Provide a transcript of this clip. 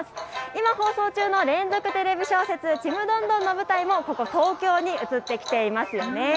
今、放送中の連続テレビ小説、ちむどんどんの舞台もここ東京に移ってきてますよね。